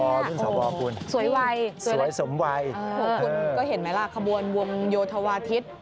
รุ่นสอบอคุณสวยสมวัยคุณก็เห็นไหมล่ะขบวนวงโยธวาทิตย์